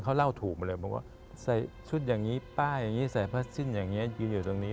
เขาเล่าถูกมาเลยบอกว่าใส่ชุดอย่างนี้ป้ายอย่างนี้ใส่ผ้าสิ้นอย่างนี้ยืนอยู่ตรงนี้